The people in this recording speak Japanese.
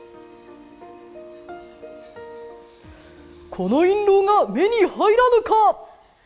この印籠が目に入らぬか！